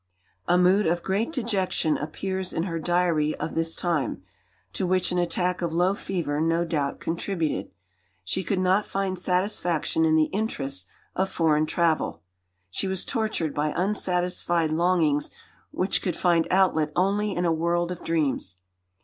A mood of great dejection appears in her diary of this time, to which an attack of low fever no doubt contributed. She could not find satisfaction in the interests of foreign travel. She was tortured by unsatisfied longings which could find outlet only in a world of dreams.